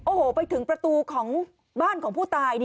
โอ้โหไปถึงประตูของบ้านของผู้ตาย